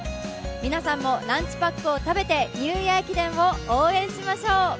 皆さんもランチパックを食べてニューイヤー駅伝を応援しましょう。